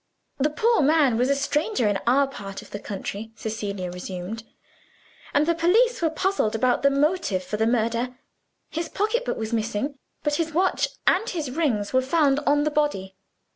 "The poor man was a stranger in our part of the country," Cecilia resumed; "and the police were puzzled about the motive for a murder. His pocketbook was missing; but his watch and his rings were found on the body.